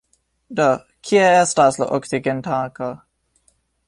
Do, kie estas la oksigentanko?